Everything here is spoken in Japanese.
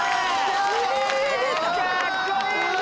かっこいいね！